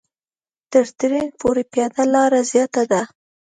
تر ټرېن پورې پیاده لاره زیاته ده.